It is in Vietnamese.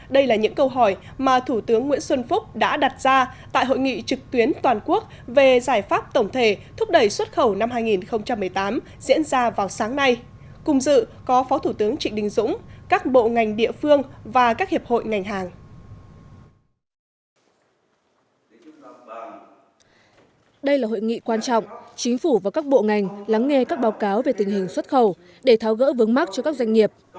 đây là hội nghị quan trọng chính phủ và các bộ ngành lắng nghe các báo cáo về tình hình xuất khẩu để tháo gỡ vướng mắc cho các doanh nghiệp